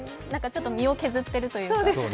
ちょっと身を削っているというか。